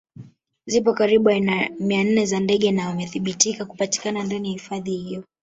Zipo karibu aina mia nne za ndege na wamethibitika kupatikana ndani ya hifadhi hiyo